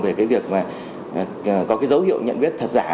về cái việc mà có cái dấu hiệu nhận biết thật giả